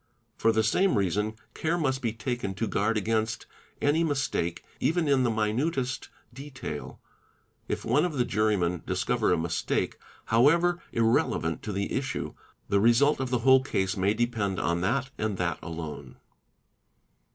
For the same reason care must be taken to guard against any mistake, even in the op inutest detail; if one of the jurymen discover a mistake, however "inelevant to the issue; the result of the whole case may depend on that and that alone.